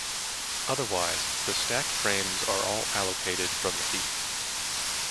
Otherwise, the stack frames are allocated from the heap.